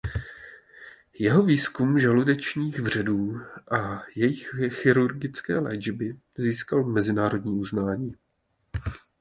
Jeho výzkum žaludečních vředů a jejich chirurgické léčby získal mezinárodní uznání.